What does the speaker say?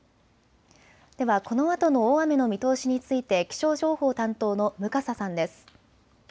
ではこのあとの大雨の見通しについて気象情報担当の向笠さんです。